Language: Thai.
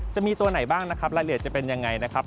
จะมีตัวไหนบ้างรายละเอียดจะเป็นอย่างไร